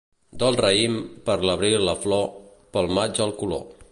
Del raïm, per l'abril la flor, pel maig el color.